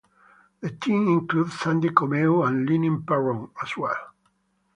The team included Sandy Comeau and Leanne Perron as well.